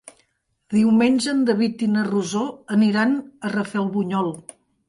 Diumenge en David i na Rosó aniran a Rafelbunyol.